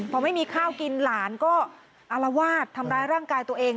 พอไม่มีข้าวกินหลานก็อารวาสทำร้ายร่างกายตัวเอง